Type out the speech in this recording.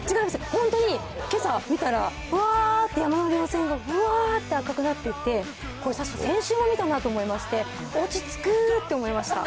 本当に、けさ、見たら、わーって山の稜線がぶわーって赤くなっていて、これ確か先週も見たなと思いまして、落ち着くって思いました。